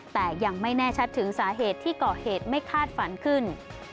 แต่ยังไม่แน่ชัดถึงสาเหตุที่ก่อเหตุไม่คาดฝันขึ้น